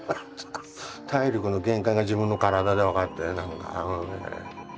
体力の限界が自分の体で分かって。